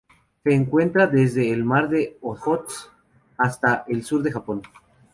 Se encuentra desde el Mar de Ojotsk hasta el sur del Japón.